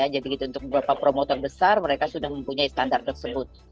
jadi untuk beberapa promotor besar mereka sudah mempunyai standar tersebut